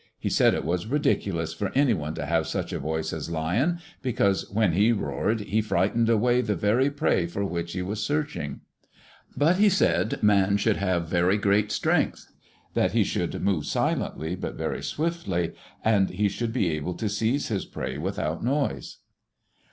He said it was ridiculous for any one to have such a voice as Lion, because when he roared he frightened away the very prey for which he was searching. But he said man should have very great strength; that he should move silently, but very swiftly; and he should be able to seize his prey without noise.